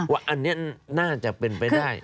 ว่าอันนี้น่าจะเป็นไปได้